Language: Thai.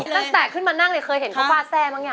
ถ้าแตกขึ้นมานั่งเลยเคยเห็นเขาวาดแซ่มั้งอย่าง